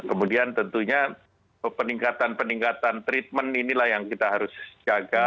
kemudian tentunya peningkatan peningkatan treatment inilah yang kita harus jaga